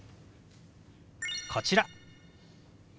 こちら。